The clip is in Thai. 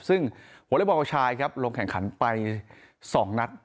ซึ่งวอเตอร์บอร์กับชายครับลงแข่งขันไปสองนัด